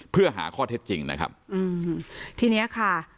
เพื่อหาข้อเท็จจริงนะครับอืมทีเนี้ยค่ะ